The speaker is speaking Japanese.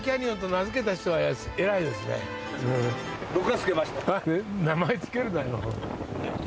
名前つけるなよ。